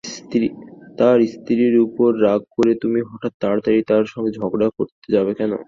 তাঁর স্ত্রীর উপর রাগ করে তুমি হঠাৎ তাড়াতাড়ি তাঁর সঙ্গে ঝগড়া করতে যাবে কেন।